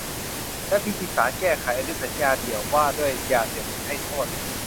และพิธีสารแก้ไขอนุสัญญาเดี่ยวว่าด้วยยาเสพติดให้โทษ